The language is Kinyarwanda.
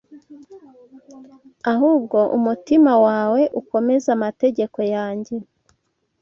ahubwo umutima wawe ukomeze amategeko yanjye